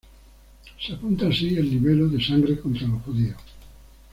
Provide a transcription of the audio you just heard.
Se apunta así el libelo de sangre contra los judíos.